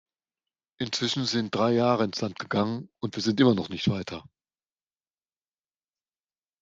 Inzwischen sind drei Jahre ins Land gegangen, und wir sind immer noch nicht weiter.